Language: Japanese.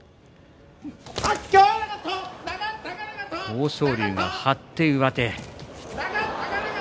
豊昇龍が張って上手。